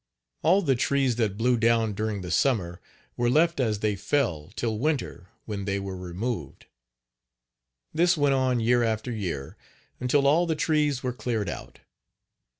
All the trees that blew down during the summer were left as they fell till winter when they were removed. This went on, year after year, until all the trees were cleared out.